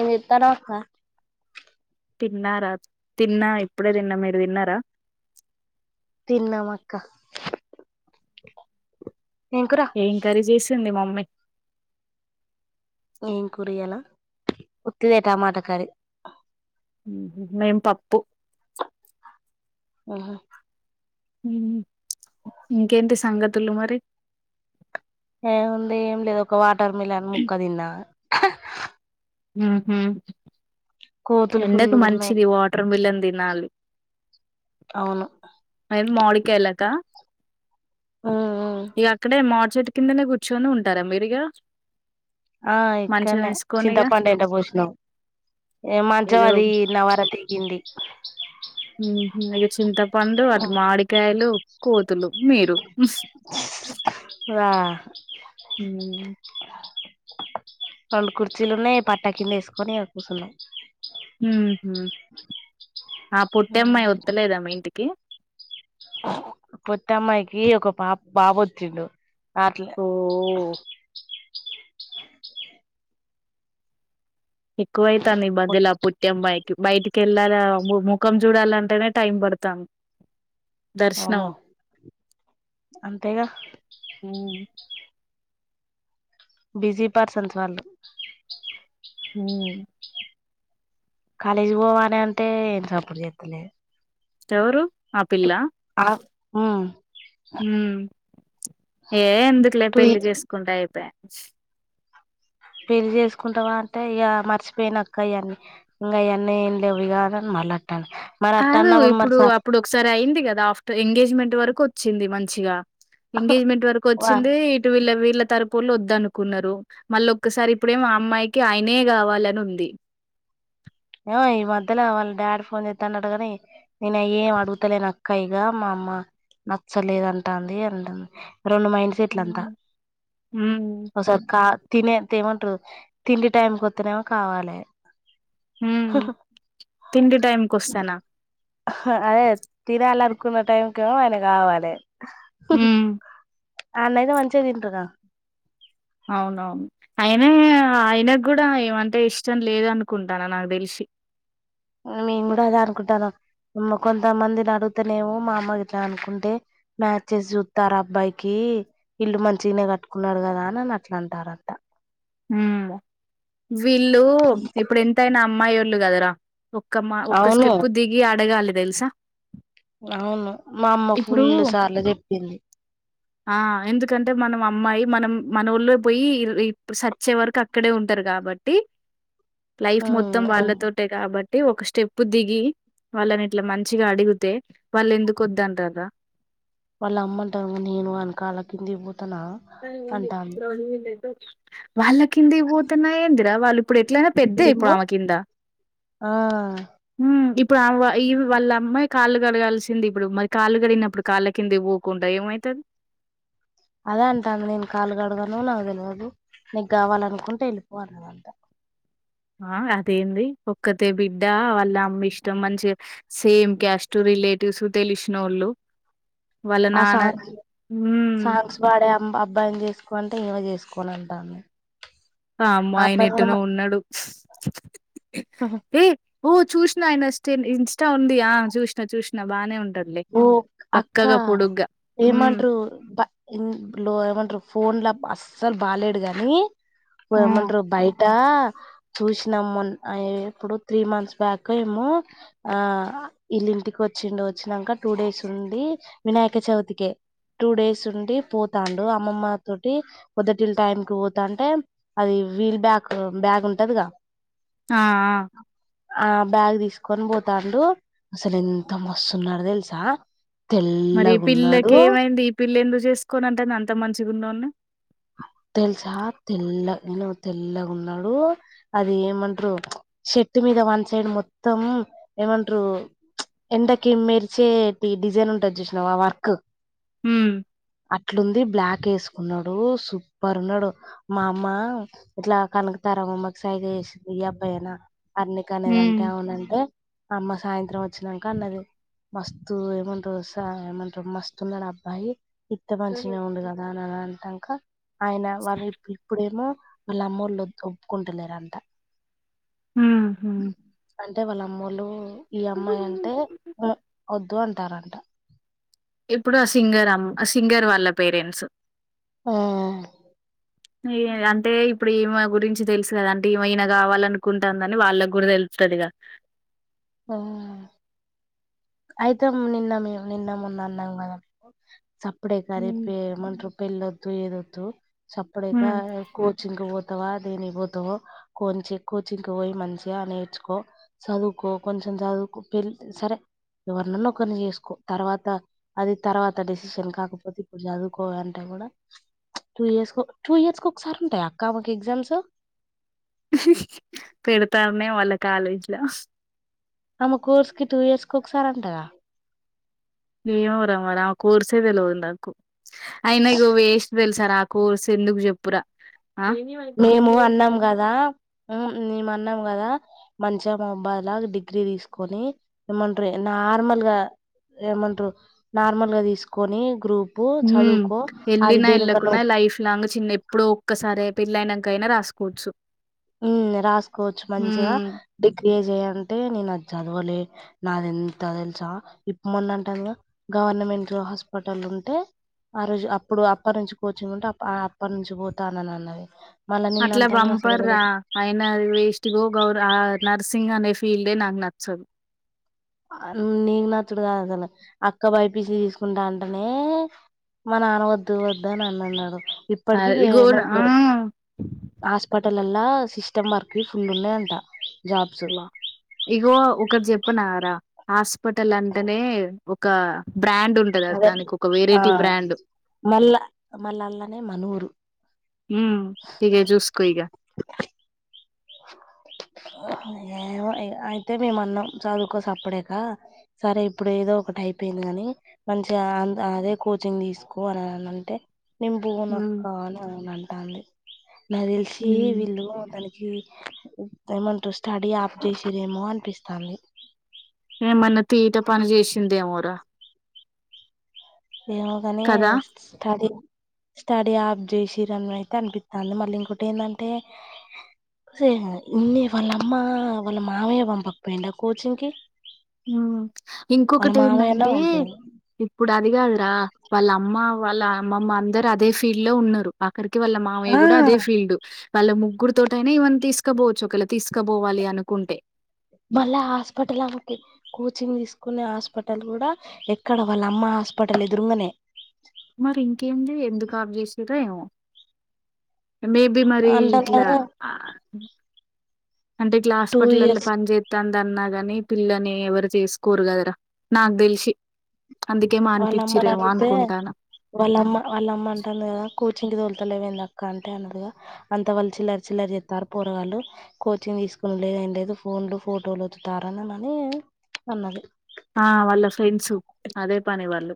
ఎంజేతనవ్ అక్క. తిన్నారా తిన్న ఇప్పుడే తిన్న మీరు తిన్నారా. తిన్నాం అక్క ఏం కర్రీ చేసింది మమ్మీ ఏం కూరియాల ఉత్తిదే టమాట కర్రీ మ్మ్ మేం పప్పు. ఆహ మ్ ఇంకేంటి సంగతులు మరి ఏముంది ఏం లేదు ఒక వాటర్ మిలన్ ముక్క తిన్నా. మ్ హ్ కోతులు ఎండకు ఫుల్లుగున్నాయి మంచిది వాటర్ మిలన్ తినాలి. అవును ఐదు మామిడి కాయలకా ఉమ్ ఇగ అక్కడే మామిడి చెట్టు కిందనే కూర్చుకొని ఉంటారా మీరిగ. ఆ ఇక్కడ్నే చింతపండు ఎండ పోషినం ఏ మంచం ఏదో అదీ నవ ర తెగింది. ఉమ్ ఇగ చింతపండు అటు మాడికాయలు కోతులు. మీరు ఉ రా రొండు కుర్చీల్లున్నయి పట్టా కింద ఎస్కొని కుసున్నం. మ్ హ్ ఆ పుట్టమ్మయి వత్తలేద మీ ఇంటికి. పొట్టమ్మైకి ఒక పా బాబ్ పుట్టిండు. రాట్లే ఓ అ [inaudible] ఎక్కువైతాంది ఈ మధ్యల పొట్టి అమ్మాయి బైటికి కెళ్ళలా ము ముఖం చూడాలంటేనే టైం పడతాం దర్శనం వామ్మో అంతేగా మ్. బిజీ పర్సన్స్ వాళ్ళు మ్ కాలేజ్ పోవాలంటే ఏం సప్పుడ్ చేత్తలేద్ ఎవరు ఆ పిల్లా ఉమ్ మ్మ్ ఏ ఎందుక్లే టూ పెళ్లి ఇయర్స్ చేస్కుంటే అయిపోయే [inaudible] పెళ్లి చేస్కుంటవా అంటే ఇగ మర్చిపోయినక్క ఇయన్ని ఇంగ గయన్ని ఏం లేవు ఇగ మల్ల కాదు ఇప్పుడు అప్పుడోక్సారీ అయింది గదా ఆఫ్ ఎంగేజ్మెంట్ వరకు వచ్చింది మంచిగా ఎంగేజ్మెంట్ వరకు వా వచ్చిందీ ఇటు వీళ్ళ వీళ్ల తరుపొల్లు వద్ద అనుకున్నారు. మళ్ళ ఒక్కసారి ఇప్పుడేమో ఆ అమ్మాయికి ఆయనే కావాలని ఉంది. [inaudible] ఏమో ఈ మధ్యల వాళ్ళ డాడీ ఫోన్ జేత్తన్డట గని నేన్ అ ఏం అడుగుతలేనక్క ఇగ మా అమ్మ నచ్చలేదు అంటాంది అంట రొండు మైండ్ సెట్లు అంట. ఉమ్ ఒకసారి కా తినే తేమంట్రు. తిండి టైం కొత్తేనేమో కావాలె హ్మ్ తిండి టైమ్ కొస్తెనా అదే తినాల్ అనుకునే టైంకేమో ఆయన గావలే. ఉమ్ ఆడ్నైతే మంచిగ తింటున్న. అవునవును. అయినా ఆయనక్ గూడా ఈమంటే ఇష్టం లేదనుకుంటాన్న నాక్ తెల్సి [inaudible] మేం గుడ అదే అనుకుంటానం. ఏమో కొంతమందిని అడుగుతేనేమో మా అమ్మ గిట్ల అనుకుంటే మ్యాచెస్ జుత్తార్ అబ్బాయికి ఈ ఇల్లు మంచిగనే కట్టుకున్నార్ గదా అ అని అట్లా అంటారంట మ్ వీళ్ళు ఇప్పుడెంతైనా అమ్మాయి ఒళ్ళు గదరా ఒక్క మా ఒక్క అవును స్టెప్పు దిగి అడగాలె దెల్సా అవును మా అమ్మ ఫుల్ సార్లు జెప్పింది. ఆ ఎందుకంటే మనం అమ్మాయి మనం మన ఊళ్ళో పోయి ఇ ఇప్పుడు సచ్చే వరకు అక్కడే ఉంటరు గాబట్టి లైఫ్ మొత్తం ఉమ్ వాళ్ళతోటే గాబట్ ట్టీ ఒక స్టెప్ దిగి వాళ్ళని ఇట్లా మంచిగా అడుగుతే వాళ్ళు ఎందుకు ఒద్దంటరా [inaudible] వాళ్ళు అమ్మ అంట నేను ఆన్ కాళ్ల కింది ఒతనా అంటంది వాళ్ళ కింది ఒతన్న ఎందిరా వాళ్ళు ఇప్పుడు ఎట్లయినా పెద్దే ఇప్పుడు ఏమో ఆమె కింద ఆ ఉమ్ ఇప్ ఇప్పు ఆమె ఈ వాళ్ళ అమ్మాయి కాళ్ళు కడగాల్సింది ఇప్పుడు మరి కాళ్ళు కడినప్పుడు కాళ్ళ కింద వోకుండా ఏమైతది [unintelligible] అదే అంటంది నేన్ కాల్ గడుగనూ నాకు డెల్వది నీకు గావాలనుకుంటే ఎళ్ళిపో అనదంట ఆ అదేంది ఒక్కతే బిడ్డ వాళ్ళ అమ్మ ఇష్టం మంచిగా సేమ్ క్యాస్టూ వి రిలేటివ్స్ తెలిషినోళ్ళు ఆ సాంగ్స్ సాంగ్స్ వాడే ఆ అబ్బాయిని చేసుకో అంటే ఇవ జేసుకోను అంటంది ఆమ్మో అయిన ఎట్టునో ఉన్నాడు ఏ ఓ చూష్నా ఆయన స్టిన్ ఇంస్టా ఉండి ఆ చూసినా చూసిన బానే ఉంది ఓ అక్క హ్మ్. ఏమంట్రూ బ లో ఏమంట్రూ ఫోన్లా అస్సలు బాలేడు గనీ హ్మ్. ఏమంట్రూ బయట్ ట చూసినము మొన్ ఆ ఎపుడు త్రీ మంత్స్ బ్యాకో ఏమో ఆ ఇళంటికి ఒచ్చిండు వచ్చినాక టూ డేస్ ఉంది వినాయక చవితికే టూ డేస్ ఉండి పోతాండు అమ్మమ్మ తొటి పొదటిల్ టైం కు పోతాంటే అది వీల్ బ్యాగ్ బ్యాగ్ ఉంటదిగా ఆ ఆ ఆ బ్యాగ్ దీసుకొని పోతాండు అసలు ఎంత మస్తున్నడు తెలుసా మరి ఈ తెల్లగున్నాడు పిల్లకి ఏమైంది ఈ పిల్ల ఎందుకు జేసుకోనంటంది అంత మంచిగున్నోని తెలుసా తెల్ల్ ఎనో తెల్లగున్నడు అది ఏమంట్రూ సెట్ మీ మీద వన్ సైడ్ మొత్తం ఏమంట్రూ ప్చ్ ఎండకి మెరిచేటి డిజైన్ ఉంటది జూష్ణవా వర్కు హ్మ్. అట్లుంది బ్లాక్ ఏసుకున్నడు సూపర్ ఉన్నాడు మా అమ్మ ఇట్లా కనుకుతారఉమ్మకి సైగ జేసింది ఈ అబ్బాయినా అర్నిక హ్మ్ అనేదంటే అవునంటే అమ్మ సాయంత్రం వచ్చినక అన్నది మస్తు ఏమంట్రూ స ఏమంట్రూ మస్తు ఉన్నాడు అబ్బాయి ఇత్తే మంచినె ఉండు గదా అని అంటాక ఆయిన వాళ్ళు ఇప్ ఇప్పుడే ఏమో వాళ్ళ అమ్మోళ్ళు ఒప్పుకుంటలేరంట ఊహ్మ్ అంటే వాళ్ళ అమ్మోలు ఇప్పుడు ఆ సింగర్ అమ్ ఆ సింగర్ వాళ్ళ పేరెంట్స్ ఆ ఏ అంటే ఇ ఇప్పుడు ఈమె గురించి తెలుసు గదా అంటే ఈమే ఈనా గావాలనుకుంటుందని వాళ్ళ గూడా తెలుతదిగా పఆ అయితే నిన్న మే నిన్న మొన్న అన్నాం గదా సప్పుడెకా హ్మ్ రేపమంట్రూ పెళ్ళొద్దు ఏదొద్దు సప్పుడకా కోచింగ్ కు పో వా దేని వోతవో కోంచి కోచింగ్కి ఒయి మంచిగా నేర్చుకో సదువుకో కొంచెం చదుకో పెల్ సరే ఎవన్నన్నా ఒకరిని చేసుకో తర్వాత అది తర్వాత డెసిషన్ కాకపోతే ఇప్పుడు చదువుకో అంటే టూ ఇయర్స్ టూ ఇయర్స్ క ఒకసారి ఉంటాయి అక్క ఆమెకు ఎగ్జామ్స్ ఇ పెడుతారన్న వాల కాలేజ లో నమ కోర్స్కి టూ ఇయర్స్కు ఒకసార్ండద ఏమ రామ్మరి కోర్సేదిలో నాకు అయినకు వేస్ట్ వెలుసా ఆ కోర్సు ఎందుకు చెప్పురా ఆ మేము అన్నాం గదా మేము అన్నాం గదా మంచమాబాగ్ లా డిగ్రీ తీసుకొని ఏమంటారు నార్మల్ గా ఏమంటారు నార్మల్ గా దీసుకొని గ్రూప్ ఉమ్ యెళ్ళినా యెళ్ళకున్నా లైఫ్ లాంగ్ చిన్న ఎప్పుడో ఒక్కసారే పెళ్ళయినంకా అయినా రాసుకోవచ్చు ఉమ్ రాసుకోవచ్చు మంచిగా హ్మ్ ఏం జేయంటే నేను అది చదవలే నాది ఎంత దెలుసా ఇప్ మొన్నంటదిగా గవర్నమెంట్ హాస్పిటల్ ఉంటే ఆ రోజు అప్పుడు అప్ప నుంచి కోచింగ్ ఉంటే అప్పటి నుంచి పోతానని అన్నది మళ్ళ నిన్న అట్లా అంటుందిగా అసలు బంపర్రా అయినా అది వేస్ట్ ఇగో ఆ నర్సింగ్ అనే ఫీల్డే నాకు నచ్చదు నీకు నచ్చుడు గాదు అసలు అక్క బైపిసి తీసుకుంటా అంటనే మా నాన్న వద్దు వద్దు అని అన్న అన్నడు ఆ ఇప్పటికి ఇగో ఏం ఆ వద్దు హాస్పిటల్ లల్ల సిస్టమ్ మర్క్ ఫుల్ ఉన్నాయ్ అంటా ఇగో ఒకటి జెప్పనారా హాస్పిటల్ అంటేనే ఒక బ్రాండ్ ఉంటది అదే దానికి ఒక ఆ వెరైటీ బ్రాండ్ మళ్ళ మళ్ళల్లనే మనూరు ఉమ్ ఇగ జూస్కో ఇగా ఏమో అయితే మేము అన్నం చదువుకో సప్పుజేకా సరే ఇప్పుడు ఏదో ఒకటి అయిపోయింది గాని మంచిగా అదే కోచింగ్ దీసుకో అని అంటే నేన్ హ్మ్ బోనక్క అని అంటంది నా దెలిసి హ్మ్ వీళ్ళుతనకి ఏమంటారు స్టడీ ఆప్ జేసిరేమో అనిపిస్తాంది ఏమన్నా తీట పని జేసిందేమోరా ఏమో గానీ స్టడీ స్టడీ ఆప్ జే సిరని అయితే అనిపిస్తుంది మళ్ళీ ఇంకోటి ఏందంటే సే గాదు ఇన్ని వాళ్ళ అమ్మ వాళ్ళ మావయ్య పంపకపోయిండా కోచింగ్ కి ఉమ్ వాళ్ళ ఇంకొకటి మామయ్యనే ఏందంటే పంపిండు ఇప్పు ఇప్పుడు అది గాదురా వాళ్ళ అమ్మ వాళ్ళ అమ్మమ్మ అందరు అదే ఫీల్డ్ లో ఉన్నరు ఆక్కరికి వాళ్ళ మామయ్య ఆ గూడా అదే ఫీల్డ్ వాళ్ళ ముగ్గురు తోటైనా ఇవన్ని తీసుకపోవచ్చు ఒకెలా దీసుకపోవాలి అనుకుంటే మళ్ళ హాస్పిటల్ ఆమెకి కోచింగ్ తీసుకునే హాస్పిటల్ గూడా ఎక్కడ వాళ్ళు అమ్మా హాస్పిటల్ ఎదురుంగనే మరి ఇంకేంది ఎందుకు ఆప్ జేసిరో ఏమో మేబి మరి అంటారు ఇట్లా కదా అంటే ఇట్ల టూ హాస్పటలల్ల ఇయర్స్ పని జేత్తాంది దన్నాగాని పిల్లని ఎవరు జేసుకోరు గదరా నాక్ దెలిసి వాళ్ళ అమ్మ నడుగుతే వాళ్ళ అమ్మ వాళ్ళ అమ్మ అంటుంది గదా కోచింగ్ దోలుతలేవేంది అక్క అంటే అన్నదిగా అంత వాళ్ళు చిల్లర చిల్లర జేస్తారు పోరగాళ్ళు కోచింగ్ తీసుకునిలేదు ఏం లేదుఫోన్లు ఫోటోలు వత్తుతారని అని అన్నది ఆ వాళ్ళ ఫ్రెండ్స్ అదే పని వాళ్ళు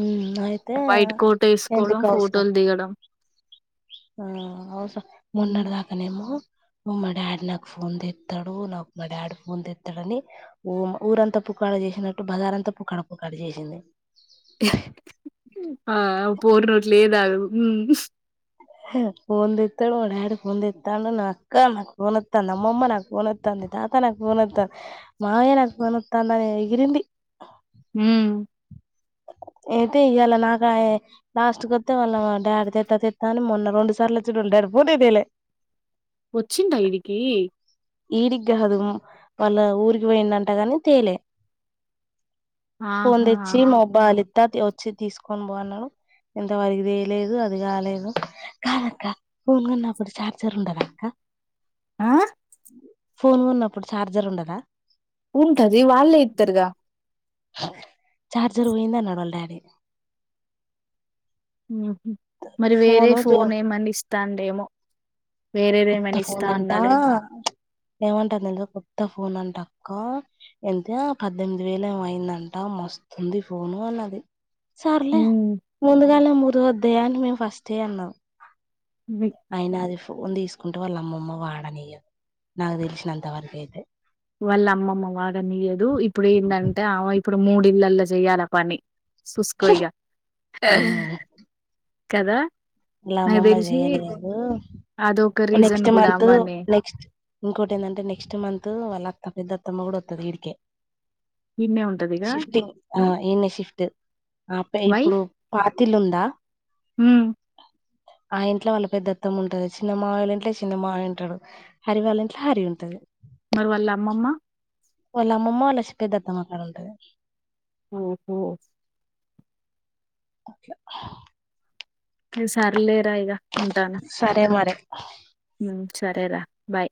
ఉమ్ అయితే వైట్ కోట్ యేసుకోవడం ఎందుకు అవసరం ఫోటోలు దిగడం ఆ అవసరమా ఉమ్. మొన్నడిదాకనేమో మా డాడీ నాకు ఫోన్ దెత్తడు నాకు మా డాడ్ ఫోన్ దెత్తడని ఓ అమ్మ ఊరంతా పు క్కాడ జేసినట్టు బజారంతా పుక్కడ పుకాడ జేసింది పోరినోట్ల ఏది ఆగదు ఉమ్ ఫోన్ దెత్తాడు మా డాడి ఫోన్ దెత్తాండు నా అక్క నాకు ఫోన్ వత్తాంది అమ్మమ్మ నాకు ఫోన్ వత్తాంది తాత నాకు ఫోన్ వత్తాంది మావయ్య నాకు వత్తాంది అని ఎగిరింది ఉమ్ అయితే ఇయాల నాకు లాస్ట్ కు వత్తే వాళ్ల డాడీ తెత్తా తెత్తా అని మొన్న రెండు సార్లు వచ్చిండు వాళ్ల డాడీ ఫోనే తేలే వచ్చింద ఈడికి ఈడికి గాదు వాళ్ల ఊరికి పోయిండంట గాని తేలే ఆహా లిత్ తాతయ్ వచ్చి తీసుకొని పో అన్నాడు ఎంత వరకు తేలేదు అది కాలేదు కాదక్క ఫోన్ కొన్నపుడు ఛార్జర్ ఉండదక్క ఆ ఫోన్ కొన్నప్పుడు ఛార్జర్ ఉండదా ఉంటది వాళ్లే ఇత్తరుగా చార్జర్ పోయింది అన్నడు వాళ్ల డాడీ మ్ హూ మరి వేరే ఫోను జో ఫోన్ ఏమన్నా ఇస్తాండేమో కొత్త ఫోన్ అంటా ఏమంటారు నందు కొత్త ఫో న్ అంటక్క ఎంత పద్దెనిమిది వేలు ఏమో అయిందంట మస్తుంది. ఫోను అన్నది. సర్లే హ్మ్. ముందుగానే మురువద్దే అని మేము ఫస్టే అన్నాం. వి ఆయిన అది ఫోన్ తీసుకుంటే వాళ్ల అమ్మమ్మ వాడనియదు నాకు తెలిసినంతవరకు అయి వాళ్ల అమ్మమ్మ వాడానియదు. ఇప్పుడు ఏందంటే ఆమె ఇప్పుడు మూడి ఇళ్లల్లో చెయ్యాల పని. సుసుకో ఇగా కదా వాళ్ల నాకు అమ్మమ్మ తెలిసి చేయనియదు. అదొక రీజన్ నెక్స్ట్ గూడా మంత్ ఆమనే నెక్స్ట్ ఇంకోటి ఏందంటే నెక్స్ట్ మంత్ వాళ్ల అత్త పెద్ద అత్తమ్మ కూడా వత్తది ఈడికే ఈడనే ఉంటదిగా. షిఫ్టింగ్ ఆ ఈనే షిఫ్ట్ ఆ అబ్బాయి ఇప్పుడు పా త ఇల్లుందా మ్ ఆ ఇంట్లో వాళ్ల పెద్ద అత్తమ్మ ఉంటది. చిన్నమావయ్య వాళ్ల ఇంట్లో చిన్న మావయ్య ఉంటాడు. హరి వాళ్ల ఇంట్లో హరి ఉంట మరి వాళ్ల అమ్మమ్మ వాళ్ల అమ్మమ్మ వాళ్ల చి పెద్ద అత్తమ్మ కాడ ఉంటది. ఓహో ఓకే ఇగ సర్లేరా ఇగ ఉంటాన్ సరే మరి మ్ సరేరా బై